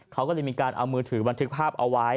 เขาก็เลยมีการเอามือถือบันทึกภาพเอาไว้